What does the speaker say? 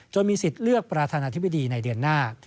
มีสิทธิ์เลือกประธานาธิบดีในเดือนหน้า